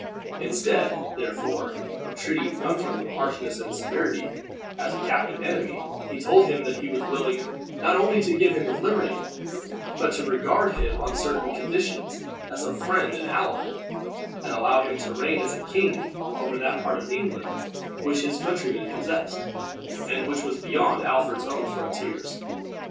Instead, therefore, of treating Guthrum with harshness and severity as a captive enemy, he told him that he was willing not only to give him his liberty, but to regard him, on certain conditions, as a friend and an ally, and allow him to reign as a king over that part of England which his countrymen possessed, and which was beyond Alfred's own frontiers.